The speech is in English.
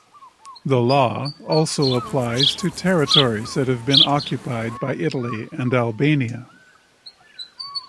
The law also applies to territories that have been occupied by Italy and Albania.